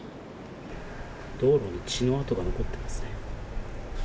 道路に血の跡が残っています